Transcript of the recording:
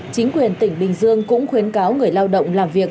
chính quyền tỉnh bình dương cũng khuyến cáo người lao động làm việc